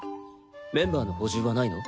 メンバーの補充はないの？